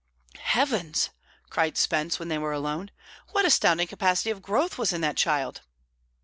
"Heavens!" cried Spence, when they were alone; "what astounding capacity of growth was in that child!"